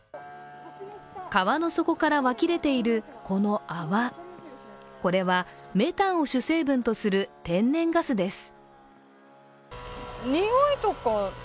川の底から湧き出ているこの泡これはメタンを主成分とする天然ガスです